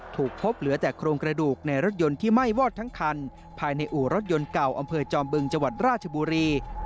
ถูกพบเหลือแต่โครงกระดูกในรถยนต์ที่ไหม้วอดทั้งคันภายในอู่รถยนต์เก่าอำเภอจอมบึงจังหวัดราชบุรี